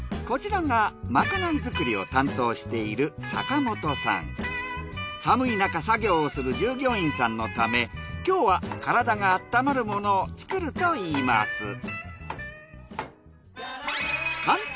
こちらがまかない作りを担当している寒い中作業をする従業員さんのため今日は体が温まるものを作るといいます。